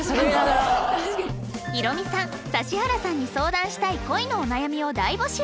ヒロミさん指原さんに相談したい恋のお悩みを大募集